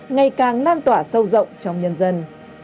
ngày càng lan tỏa sâu rộng trong nhân dân